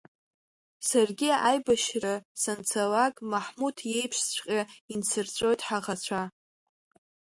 Саргьы аибашьра санцалак, Маҳмуҭ иеиԥшҵәҟьа инсырҵәоит ҳаӷацәа.